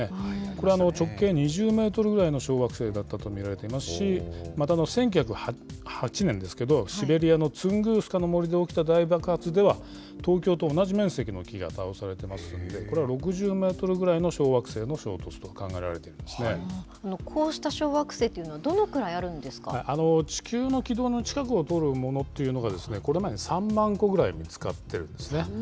これ、直径２０メートルぐらいの小惑星だったと見られていますし、また１９０８年ですけど、シベリアのツングースカの森で起きた大爆発では、東京と同じ面積の木が倒されていますんで、これは６０メートルぐらいの小惑星の衝突とこうした小惑星というのは、地球の軌道の近くを通るものっていうのが、これまでに３万個ぐらい見つかってるんですね。